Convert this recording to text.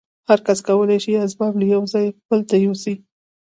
هر کس کولای شي اسباب له یوه ځای بل ته یوسي